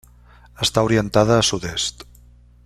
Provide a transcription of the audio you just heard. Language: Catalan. Està orientada a sud-est.